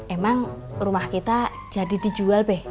emang rumah kita jadi dijual deh